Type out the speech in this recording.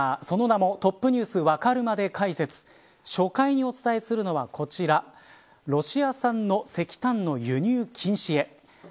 その名もＴｏｐｎｅｗｓわかるまで解説初回にお伝えするのはこちらロシア産の石炭の輸入禁止へ。